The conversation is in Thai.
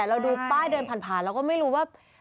เราดูป้ายเดินผ่านเราก็ไม่รู้ว่า